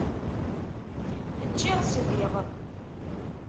Ččiɣ, swiɣ.